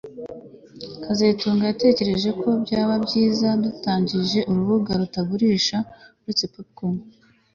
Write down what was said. kazitunga yatekereje ko byaba byiza dutangije urubuga rutagurisha uretse popcorn